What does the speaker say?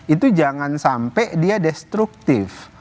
itu jangan sampai dia destruktif